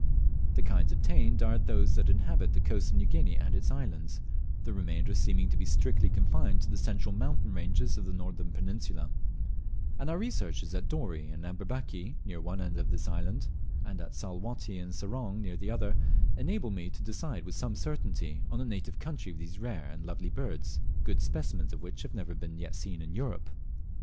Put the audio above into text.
The kinds obtained are those that inhabit the coasts of New Guinea and its islands, the remainder seeming to be strictly confined to the central mountain ranges of the northern peninsula; and our researches at Dorey and Amberbaki, near one end of this peninsula, and at Salwatty and Sorong, near the other, enable me to decide with some certainty on the native country of these rare and lovely birds, good specimens of which have never yet been seen in Europe.